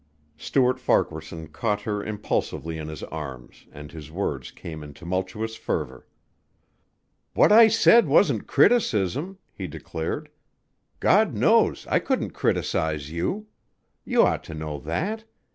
Stuart Farquaharson caught her impulsively in his arms and his words came in tumultuous fervor. "What I said wasn't criticism," he declared. "God knows I couldn't criticize you. You ought to know that.